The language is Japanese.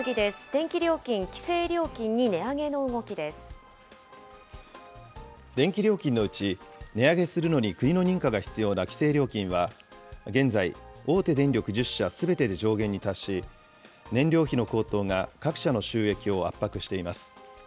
電気料金、規制料金に値上げの動電気料金のうち、値上げするのに国の認可が必要な規制料金は、現在、大手電力１０社すべてで上限に達し、燃料費の高騰が各社の収益を圧迫しています。